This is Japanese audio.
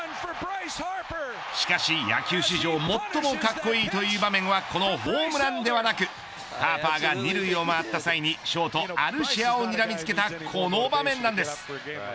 しかし野球史上最も格好いいという場面はこのホームランではなくハーパーが２塁を回った際にショート、アルシアをにらみつけたこの場面なんです。